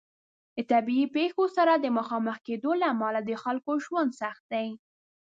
د طبیعي پیښو سره د مخامخ کیدو له امله د خلکو ژوند سخت دی.